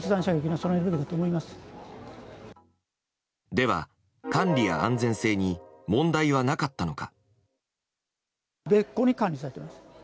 では、管理や安全性に問題はなかったのか。